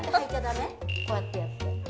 こうやってやって。